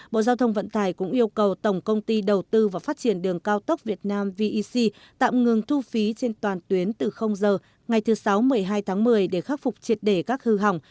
bộ giao thông vận tải cũng yêu cầu tổng công ty đầu tư và phát triển đường cao tốc việt nam vec tạm ngừng thu phí trên toàn tuyến từ giờ ngày thứ sáu một mươi hai tháng một mươi để khắc phục triệt để các hư hỏng